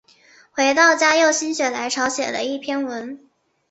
回到家又心血来潮写了一篇文